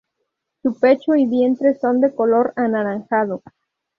Su pecho y vientre son de color anaranjado.